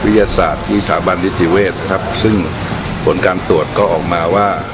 วิทยาศาสตร์ที่สถาบันฤทธิเวศครับซึ่งผลการตรวจก็ออกมาว่า